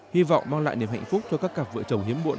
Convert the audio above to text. hy vọng mang lại niềm hạnh phúc cho các cặp vợ chồng hiếm muộn